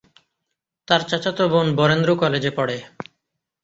তার চাচাতো বোন বরেন্দ্র কলেজে পড়ে।